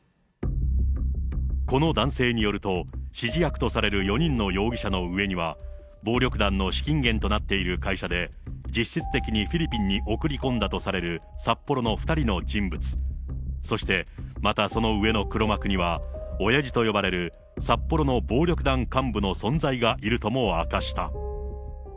この男性によると、指示役とされる４人の容疑者の上には、暴力団の資金源となっている会社で、実質的にフィリピンに送り込んだとされる札幌の２人の人物、そして、またその上の黒幕には、親父と呼ばれる札幌の暴力団幹部の存在がいるとも明かした。